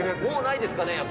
もうないですかね？